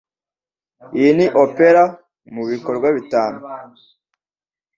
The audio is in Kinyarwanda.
Iyi ni opera mubikorwa bitanu.